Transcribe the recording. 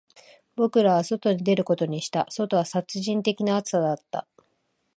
僕らは外に出ることにした、外は殺人的な暑さだった